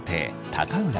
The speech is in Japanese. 高浦